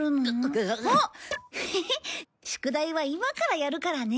ヘヘヘ宿題は今からやるからね。